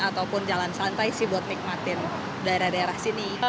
ataupun jalan santai sih buat nikmatin daerah daerah sini